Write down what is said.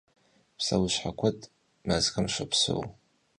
Pseuşhe kued mezxem şopseu.